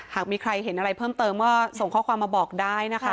หากมีใครเห็นอะไรเพิ่มเติมก็ส่งข้อความมาบอกได้นะคะ